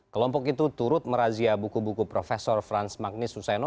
kelompok itu turut merazia buku buku prof frans magnis suseno